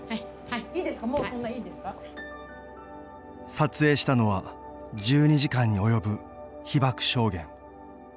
撮影したのは１２時間に及ぶ被爆証言。